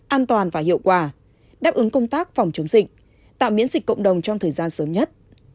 an toàn và hiệu quả đáp ứng công tác phòng chống dịch tạo miễn dịch cộng đồng trong thời gian sớm nhất